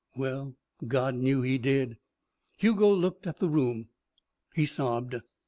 Well, God knew, he did. Hugo looked at the room. He sobbed.